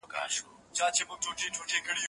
زه به بوټونه پاک کړي وي،